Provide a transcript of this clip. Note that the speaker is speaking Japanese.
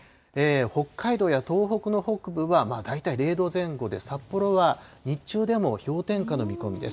北海道や東北の北部は大体０度前後で、札幌は日中でも氷点下の見込みです。